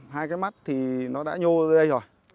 hai cái mắt thì nó đã nhô đây rồi